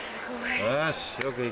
よし！